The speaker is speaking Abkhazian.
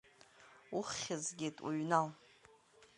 Уххь згеит, уҩнал!